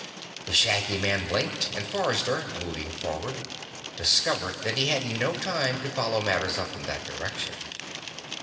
The shaggy man blinked and Forrester, moving forward, discovered that he had no time to follow matters up in that direction.